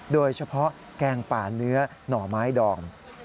โดยเฉพาะแกงป่าเนื้อหน่อไม้ดอม